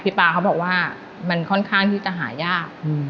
ป๊าเขาบอกว่ามันค่อนข้างที่จะหายาก